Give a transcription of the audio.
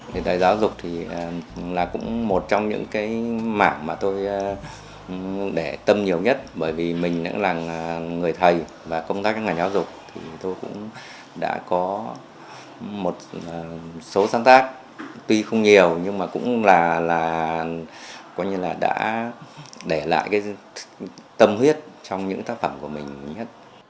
hãy đăng ký kênh để ủng hộ kênh của mình nhé